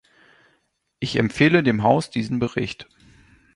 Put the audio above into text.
Ich empfehle dem Haus diesen Bericht.